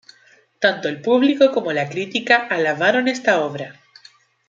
Tanto el público como la crítica alabaron esta obra.